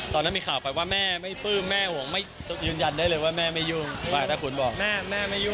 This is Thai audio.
ตอนนั้นมีข่าวออกไปว่าแม่ไม่ปื้มแม่ห่วงไม่ยืนยันได้เลยว่าแม่ไม่ยุ่งแม่ไม่ยุ่งแม่ไม่ยุ่ง